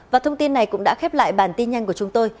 và thông tin này cũng đã khép lại bản tin nhanh của chúng tôi